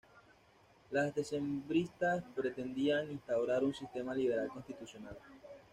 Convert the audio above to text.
Los decembristas pretendían instaurar un sistema liberal constitucional.